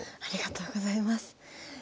ありがとうございます。